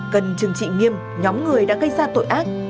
gần chừng trị nghiêm nhóm người đã gây ra tội ác